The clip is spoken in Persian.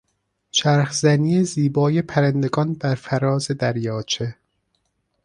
چرخزنی زیبای پرندگان بر فراز دریاچه